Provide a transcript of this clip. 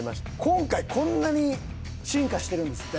今回こんなに進化してるんですって。